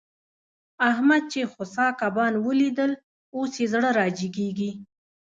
احمد چې خوسا کبان وليدل؛ اوس يې زړه را جيګېږي.